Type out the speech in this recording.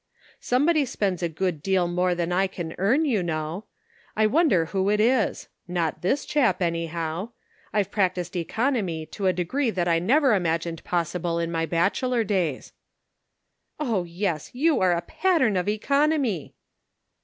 Somebody spends a good deal more than I can earn, I know. I wonder who it is; not this chap, anyhow. I've practised economy to a degree that I never imagined possible in my bachelor days." " Oh, yes ! you are a pattern of economy."